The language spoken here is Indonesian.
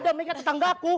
ada mega tetangga aku